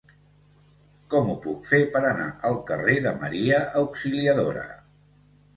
Com ho puc fer per anar al carrer de Maria Auxiliadora?